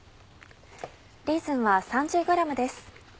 レーズンは３０ｇです。